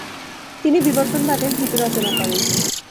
তিনি বিবর্তনবাদের ভিত রচনা করেন।